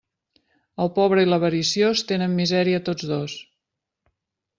El pobre i l'avariciós tenen misèria tots dos.